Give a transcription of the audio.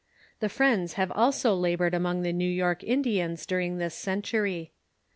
The Friends have also labored among the New York Indians during this century.